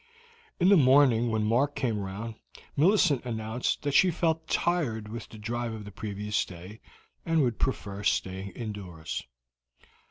In the morning, when Mark came round, Millicent announced that she felt tired with the drive of the previous day, and would prefer staying indoors.